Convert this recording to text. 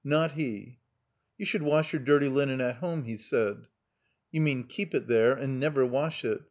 Not he. '*You should wash your dirty linen at home," he said. "You mean keep it there and never wash it.